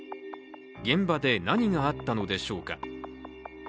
現場で何があったのでしょうか。